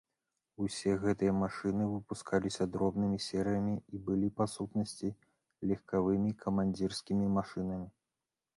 Усе гэтыя машыны выпускаліся дробнымі серыямі і былі, па сутнасці, легкавымі камандзірскімі машынамі.